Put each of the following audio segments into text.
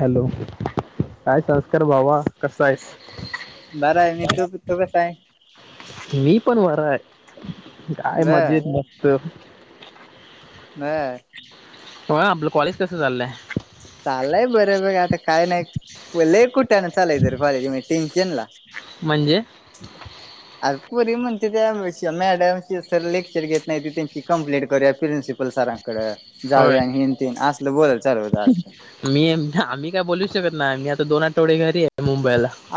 Hello काय संस्कार भावा कसा हैस? बरं हाय मी तू तू कसा हाय? मी पण वरा हाय काय बर मजेत मस्त म होय आपलं कॉलेज कसं चाललंय? चालय बरं बघ आता काय नाई लय कुठ नं चालायच रे कॉलेज मध्ये टेन्शन ला. म्हणजे आज पुरी म्हणत्यात त्या मॅडमशी सर लेक्चर घेत नाही ती त्यांची कंप्लेंट करूया प्रिंसिपल सरांन कड होय जाऊया आणि हेनतेन असल बोलायला चालू होत आज तर. येऊच शकत नाही मी आता दोन आठवडे घरी हाय.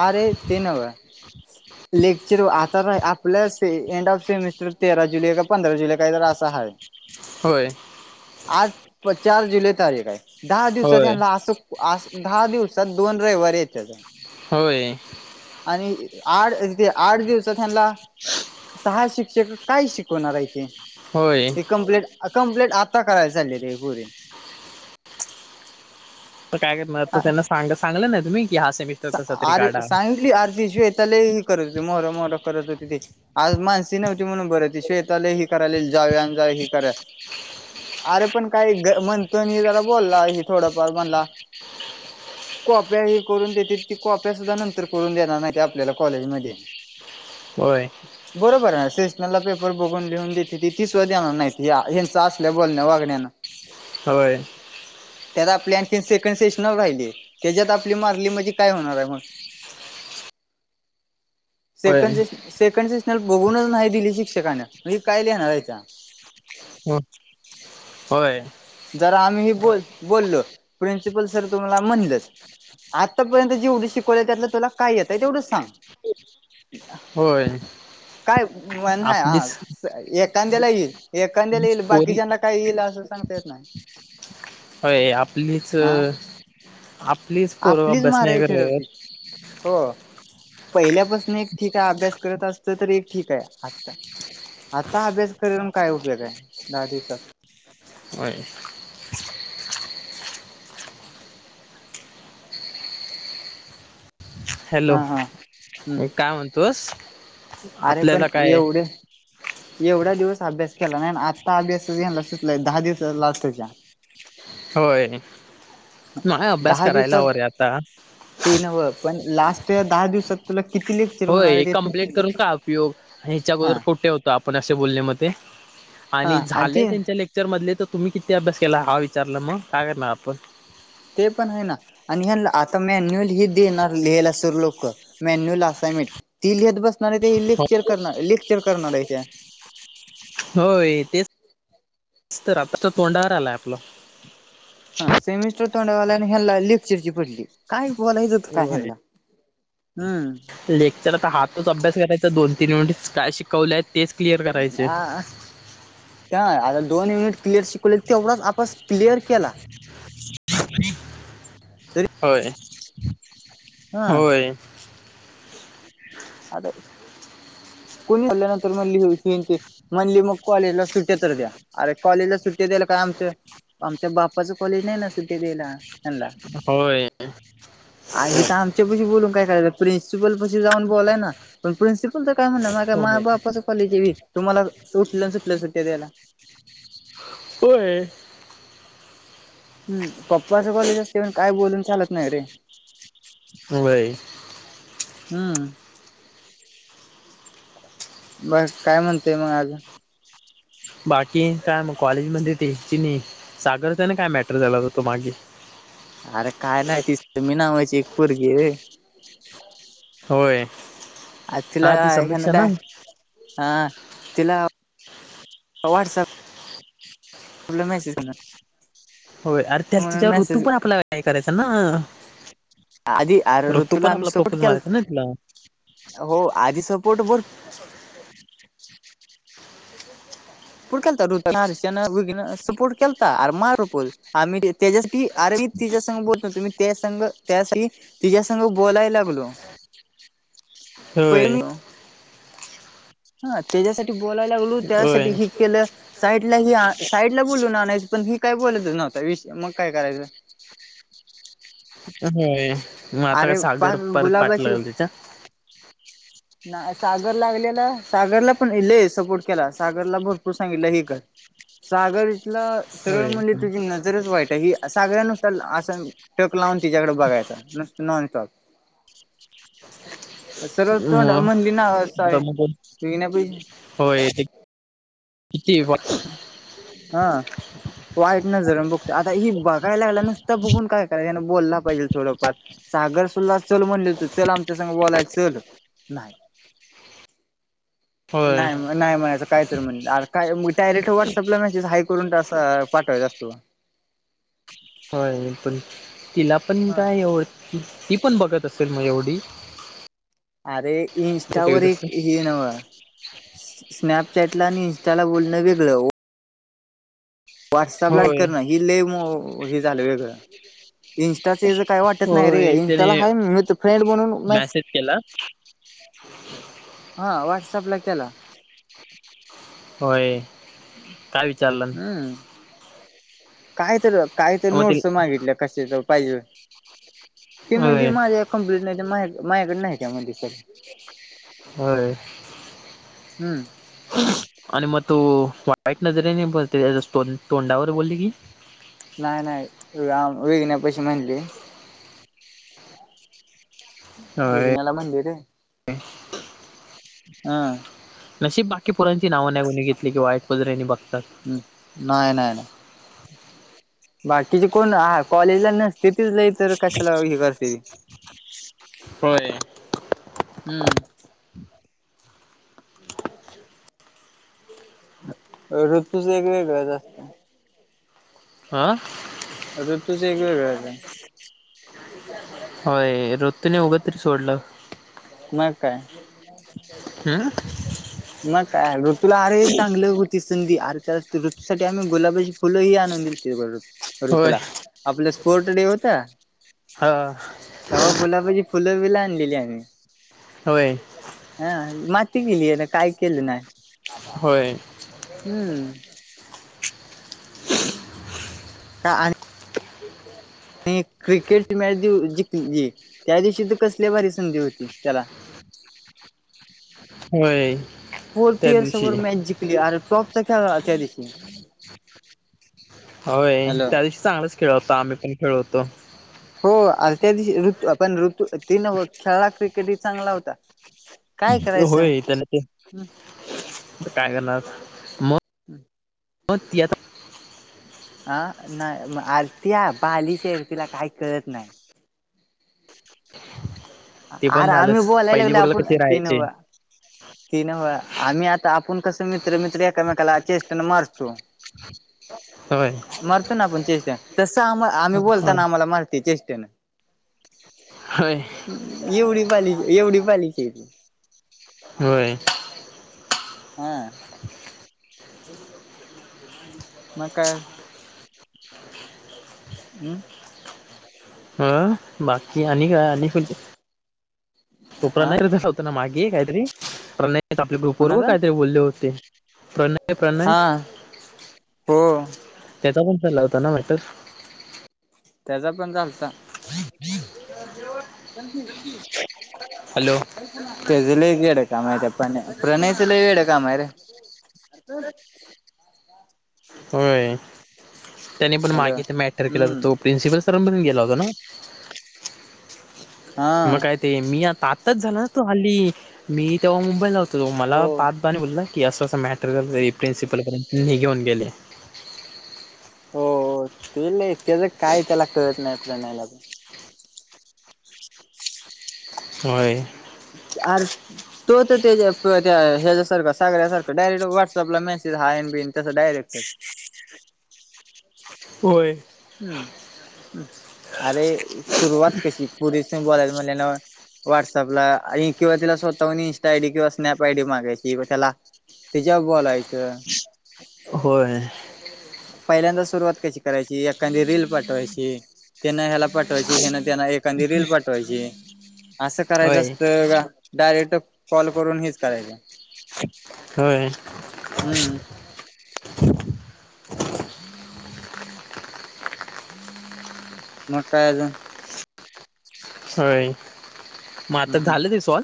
आरे ते नव लेक्चर वर आ तर आपल्या एंड ऑफ सेमिस्टर तेरा जुलै का पंधरा जुलै काही तर असा आहे हो आज चार जुलै तारीख आहे दहा होय दिवसात अस दहा दिवसात दोन वरय येत होय आणि आठथे आठ दिवसात ह्यांला सहा शिक्षक काय शिकवणार हायती होय ही कंप्लेंट कम्प्लीट आता करायचाली ते पुरी तर काय करणार तर त्यांना सांग सांगलं नाही तुम्ही की हा सेमिस्टर कसा तरी आर काढा साईटली अरे ती श्वेता लई त हो मोर मोहर करत होती ते आज मानसी नव्हती म्हणून बर ती श्वेता लई करायल जावे अन जावे ही करा अरे पण काही ग म्हणतोय जरा बोलला ह थोडफार म्हणला कॉप्या ही करून देते ती कॉप्या सुद्धा नंतर करून देणार नाही आपल्याला कॉलेजमध्ये होय बरोबर आहे स्टेशनाला पेपर बघून लिहून देते ती तीसव दे्याणार नाही या ह्यांच असल्या बोलण्या वागण्यान हो त्यात आपली आणखी सेकंड सेशन राहिली त्याच्यात आपली मारली म्हणजे काय होणार आहे म होय सेकंड से सेकंड सेशनर बघूनच नाही दिली शिक्षकाने म काय लिहान यचा ह होय जरा आम्ही बोल बोललो प्रिन्सिपल सर तुम्हाला म्हणलंच आतापर्यंत जेवढं शिकवलंय त्यातलं तुला काय येतय तेवढच सांग होय काय नाही आपलीच आपलीच ह एखाद्याला येईल एांद्याला येईल बाकीच्याना काय येईल असं सांग हय आपलीच हा आपलीच पोरं आपलीच अभ्यास नाही माराई ठरवते करत हो पहिल्यापासून एक ठीक आहे अभ्यास करत असत तर एक ठीक आहे आत्ता आता अभ्यास करीून काय उपयोग आहे दहा दिवसात होय हॅलो हा हा हम्म काय म्हणतोस अरे आपल्याला पण काय एवढे एवढा दिवस अभ्यास केला नाही आत्ता अभ्यासला सुचला दहा दिवस लास्टच्या होय नाहीय अभ्यास दहा करायला दिवसात ह रे आता ते नव्ह पण लास्ट या दहा दिवसात तुला किती लेक्चर होणार होय ते तू कमप्लेंट किती करून का उपयोग ह्याच्या हा अगोदर कुठे होतो आपण असे बोलण्यामध्ये हा आणि झालंय ते त्यांच्या लेक्चर मधले त तुम्ही किती अभ्यास केला, हा विचारला मग काय करणार आपण. ते पण आहे ना आणि ह्यान्ला आता मॅन्युअल ही देणार लिहाय ला सर लोक मॅन्युअल असा ती लिहत बसणार आहे, ते लेक्चर करणार, लेक्चर करणार आहे त्या स्तर आता त तोंडावर आलाय आपलं हं सेमिस्टर तोंडाव आला न ह्याला लेक्चरची पडली काय बोलायचं होत काय होय ह्यांना हम्म लेक्चर हातच अभ्यास करायचा दोन ति नि उलटीच काय शिकवले आहेत. तेच क्लिअर करायचे ह का आता दोन युनिट क्लिअर शिकवले तेवढाच आपस क्लिअर केला तरी होय, हा होय अे कुणी झाल्ल्यानंतर म्हणली, म्हणली मग कॉलेजला सुट्ट्या तर द्या अरे कॉलेजला सुट्ट्या द्याला का आमच्या आमच्या बाप्पाच कॉलेज नाही ना सुट्ट्या द्यायला ह्यांना होय आ तर आमच्या पशी बोलून काय करायच प्रिन्सिपल पशी जाऊन बोलाय ना पण प्रिन्सिपल काय म्हण मा होय बापाचं कॉलेज हाय होय तुम्हाला सुटलं सुटल्या सुट्ट्या द्यायला होय हूं पप्पाच कॉलेज असते, म्हणून काय बोलून चालत नाही रे होय हूं! बस काय म्हणतेय मग आजु बाकी काय म कॉलेज मदे ते चीनी सागर त्याने काय मॅटर झाला होता तो मागे अरे काय नाही ती टीमी नावाची एक पोरगी हे. होय! हा ती समीक्षा अचलानड ना हा [unintelligible] तिला व्हॉटसअप प्रॉब्लेमेच ना. होय अर त्या तीच्यावर ऋतू पण आपल्या काय करायचा ना आधी अरे ऋतू ऋतूला पण आम्ही आपला सपोर्ट प्रपोज मारायचा केला, ना तिला हो आधी सपोर्ट बर पोट केत रुत सपोर्ट केलतार मारपोल आम् त्याच्या आर [unintelligible] मी तिच्या संग बोलतो तुम्ही त्या संग त्यासाठी तिच्या संघ बोलायला लागलो पहिले होय! मी हा त्याच्यासाठी बोलायला लागलो होय त्यासाठी हे केलं साईड तिला ही हा साईड ला बोलून आणायचचो, पण हि काय बोलतच नव्हता विषय, मग काय करायचं होय मग आता काय अरे सागर पाक परत पाठ गुलाबाची लागल तिच्या [inaudible] ना सागर लागलेला, सागरला पण लयी सपोर्ट केला सागरला भरपूर सांगितलं हे कर सागर इथला सरळ होय म्हणजे, तुझी नजरच वाईट आहे ही अस सागऱ्या नुसता असं न टक लावून तिच्याकड बघायचा नॉन स्टॉप सरळ तोंडाव मग म्हणली ना वास्ता आता आहे, मग तुजे नाही पैसे होय ते किती व नजर लावून बघतो, आता ही बघाय लागला नुसता बघून काय कराय, यान बोला पाहिजेल थोडफार सागर सु तुला चल म्हणले होते, चल आमच्या संग बोलाय चल नाही [inaudible] होय नाही, नाही, म्हणायचं कायतरी म्हण दार काय डायरेक्ट व्हॉट्सअपला मेसेस हाय करून असा पाठवायचा असतो कां? होय पण, तिला पण हा. काय एव ती पण बघत तसल म यवडी अरे इन्स्टावर एक हे नव्ह स्नॅपचॅटला आणि इन्स्टाला बोलणं वेगळं ओ व्हॉट्सअपला होय करणं ही लय हे झालं वेगळं. इन्स्टाचे याज काय वाटत नाय रे होय इंस्टाला त्याने हाय मी फ्रेंड बणून मेस मेसेज केला [inaudible] हा व्हॉट्सअप ला केला. होय काय विचारलंनं? हम्म काय तर काय तर मग ते नोट्स मागितल्या कशाच पायज. ते म्हणली होय माझ्या कंम्पलीट नाय माझ माझ्याकड नाय त्या म्हणजे सर. होय! हूं! आणि म तो वाईट नजरेने ब ते त्याच्या टोंडावर बोलली की नाही, नाही आ वेगण्या पशी म्हणलीये. होय. विघ्न्याला म्हणली ते. हा. ! नशीब बाकी पोरांची नाव नाही [unintelligible] घेतली किं वाईट नजरेनी बघ हं नाही, नाही, नाही. बाकीचे कोण हा कॉलेजला नसतील तिज नाहीतर कशला ही करती होय. हम्म. ऋतूच वेगवेगळंचं असतात. हा आता तुचं वेगवेगळाच हाय. होय ऋतने उग तरी सोडलं. म काय. हं. म काय ऋतूला अरे चांगले होती. संधी आरे त्या ऋतू साठी आम्ही गुलाबाची फुलंही आणून दिलती [unintelligible] होय ऋतूला आपल्या फोर्टडे होता हा तवा गुलाबाची फुलं बील आणलेली आम्ही होय. हा माती केली यानं काय केलं नाय. होय. हम्म. का आणि आणि क्रिकेट मॅच जिव जिंकली त्या दिवशी तर कसल्या भारी संधी होती त्याला [inaudible] होय फोर्थ त्या इयर्स दिवशी सोबत मॅच जिकली आर टॉप च खेळला त्या दिवशी. होय. हॅलो त्या दिवशी चांगलाच खेळत होतो आम्ही पण खेळत होतो. हो आर त्या दिवशी ऋतू आपण ऋतू ती नव्ह खेळला क्रिकेट ही चांगला होता. काय ते करायचं होय त्यानं ते आता काय करणार मग. हो ती आता अ नाय म आर ती हा बालीश हाय तीला काय कळत नाय. ते पण अरे आम्ही झालंचं बोलायला पहिली लागलो बघल कशी आपण ती राहायची. नव ती नव आम्ही आता आपुण कसं मित्र मित्र एकामेकाला चेष्टन मारतो. होय मरतो ना आपण चेष्ट तस आम आम्ही बोलताना होय आम्हाला मारते चेष्ट त्यांन एवढी बालिश एवढी बालिश हाय ती होय. हा. म काय. हम् हो बाकी आणि काय आणि कोणं कोपरा हा नाय र होता ना मागे. की काय तरी प्रणय आपल्या ग्रुप वर बघ कोणाचा काय तरी बोलले होते. प्रणय हा हो. त्याचा पण चाल्ला होता ना मॅटर. त्याचा पण झालता. [unintelligible] त्याच लय वेड काम हाय त्या पण प्रणयच लय वेड काम हाय र. [unintelligible] होय त्याने पण हॅलो मागे तो मॅटर केला तर हम्म तो प्रिन्सिपल [unintelligible] म्हणून गेला होता ना. हा मग काय ते मी आता आतच झाला ना तो हल्ली मी तेव्हा मुंबई ला होतो. तो हो मला पातदाने आणि बोलला की असं असं मॅटर प्रिन्सिपलपर्यंत नी घेऊन गेले. हो ते ल त्याचं काय त्याला कळत नाही प्रणयला प होय. अर तो तर त्या त्या ह्याच्यासारखा सागऱ्यासारखं डायरेक्ट व्हॉट्सअपला मेसे हायन बीन तं डायरेक्ट आहे. ह [inaudible] होय हम् अरे सुरुवात कशी पुरे [inaudible] व्हॉट्सअपला आणि किंवा तिला स्वतः इंस्टा आयडी किंवा स्नॅप आयडी मागायची कि त्याला तच्या बोलायचं होय. पहिल्यांदा सुरुवात कशी करयची एखादी रील पाठवायची. त्याना ह्याला पाठवायची ह्यानं त्यांना एखादी रील पाठवायची. असं करायचं होय असतं का डायरेक्ट कॉल करून हिच करायचं हो हम्म हम्म म काय अजून. होय मग आता हम्म हम्म झालं ते सॉल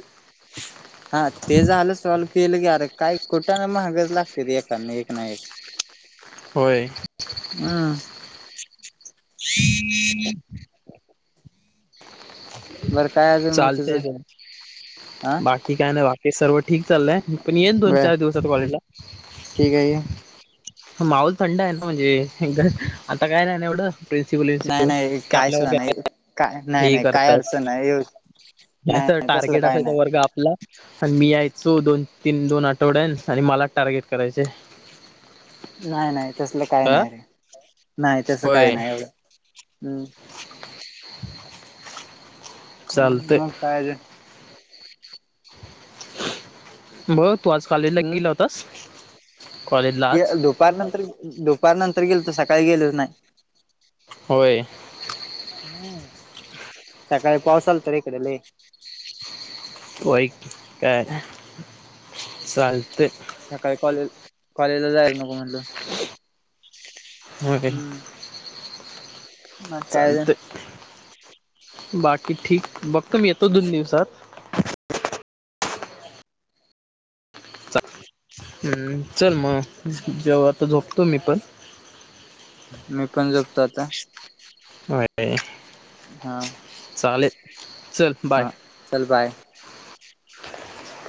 हा ते झालं सॉल् केलं ग अरे काय कुटाण महागाच लागते एकाने एक ना एक होय हा बरं काय अजून मग चालत तुझं ज हा बाकी काय ना बाकी ते सर्व ठीक चाललंय पण येईन दोन बर चार दिवसात कॉलेजला ठीक आहे माऊल थंड आहे ना म्हणजे आता काय नाही ना एवढं प्रिन्सिपल इ् नाही नाही क काय सुद्धा आपल्यावर नाही काय हे नाही नाही काय करतायात, अडचण नाही नाही नाही तसलं टार्गेट काय असायचा नाही वर्ग आपला आणि मी यायचो दोन तीन दोन आठवड्यात आणि मला टार्गेट करायचे. नाही नाही तसलं काही अ नाही रे नाही त्यास काय होय. नाही एवढं हम्. [inaudible] हम् चालतंय मग काय अजून? म तू आज काॉलेजला गेला होतास? कॉलेजला क आज? दुपार नंतर दुपार नंतर गेल तर सकाळी गेलोच नाही. होय सकाळी पाऊस आल तर इकड लई. हो का चालत.. सकाळी कॉलेज कॉलेजला जायला नको म्हटलं हो काय. मग काय चालते. बाकी ठीक बघतो मी येतो दोन दिवसात. चा- हम्म चल मग जेव्हा आता झोपतो मी पण. मी पण झोपतो आता. हो. हा चालेल. चल बाय हा चल बाय [inaudible]